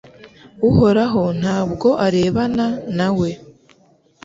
Uhoraho nta bwo arebana na we